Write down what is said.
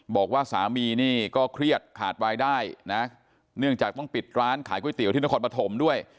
บอกว่าสามีนี่ก็เครียดขาดวายได้นะเนื่องจากต้องปิดร้านขายก๋วยเตี๋ยวที่นครปฐมด้วย